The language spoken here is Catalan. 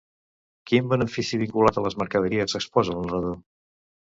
Quin benefici vinculat a les mercaderies exposa el narrador?